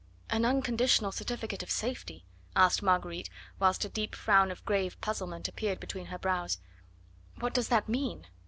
"An unconditional certificate of safety?" asked Marguerite, whilst a deep frown of grave puzzlement appeared between her brows. "What does that mean?"